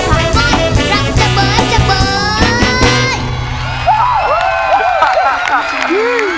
ใส่ผักหมดรับเจ้าเบยเจ้าเบย